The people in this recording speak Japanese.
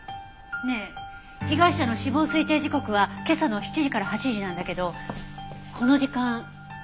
ねえ被害者の死亡推定時刻は今朝の７時から８時なんだけどこの時間。